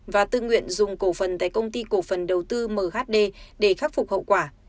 và tự nguyện dùng cổ phần tại công ty cổ phần đầu tư mhd để khắc phục hậu quả